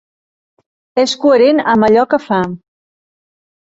És coherent amb allò que fa.